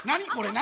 何？